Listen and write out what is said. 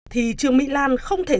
thì trường mỹ lan không thể